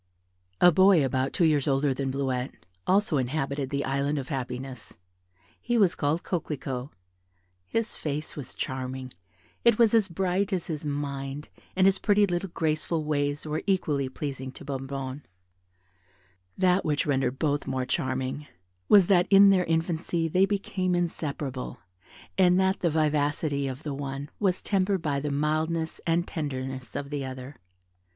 A boy, about two years older than Bleuette, also inhabited the Island of Happiness; he was called Coquelicot: his face was charming, it was as bright as his mind, and his pretty little graceful ways were equally pleasing to Bonnebonne. That which rendered both more charming was, that in their infancy they became inseparable, and that the vivacity of the one was tempered by the mildness and tenderness of the other.